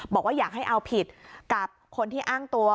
บอกว่าอยากให้เอาผิดกับคนที่อ้างตัว